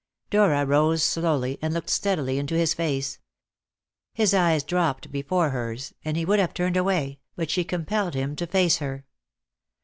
Dora rose slowly and looked steadily into his face. His eyes dropped before hers, and he would have turned away, but she compelled him to face her.